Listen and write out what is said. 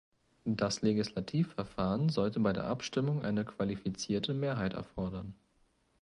Das Legislativverfahren sollte bei der Abstimmung eine qualifizierte Mehrheit erfordern.